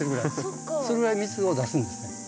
それぐらい蜜を出すんですね。